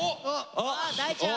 大ちゃん！